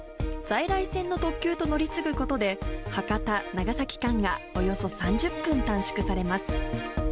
在来線の特急と乗り継ぐことで、博多・長崎間がおよそ３０分短縮されます。